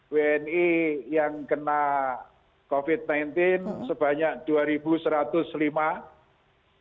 wni yang kena covid sembilan belas sebanyak dua seratus orang